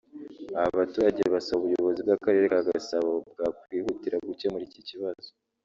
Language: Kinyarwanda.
Aba baturage basaba ubuyobozi bw’Akarere ka Gasabo bwakwihutira gukemura iki kibazo